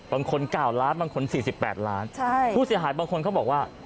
บางคน๙ล้านบางคน๔๘ล้านผู้เสียหายบางคนเขาบอกว่า